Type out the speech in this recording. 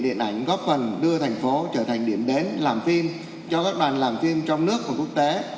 điện ảnh góp phần đưa thành phố trở thành điểm đến làm phim cho các đoàn làm phim trong nước và quốc tế